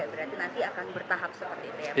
berarti nanti akan bertahap seperti itu ya